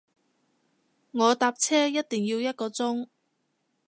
我搭車一定要一個鐘